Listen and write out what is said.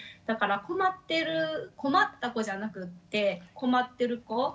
だから困ってる「困った子」じゃなくって「困ってる子」。